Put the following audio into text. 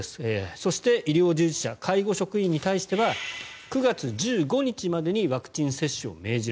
そして、医療従事者介護職員に対しては９月１５日までにワクチン接種を命じる。